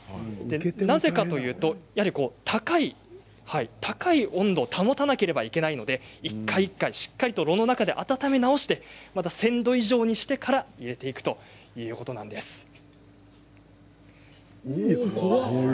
なぜかというと高い温度を保たなければいけないので一回一回しっかりと炉の中で温め直して１０００度以上にしてから入れていくんですね。